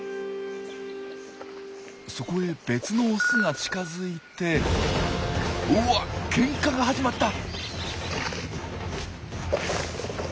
そこへ別のオスが近づいてうわケンカが始まった！